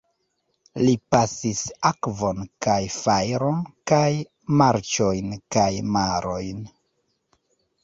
Li pasis akvon kaj fajron kaj marĉojn kaj marojn.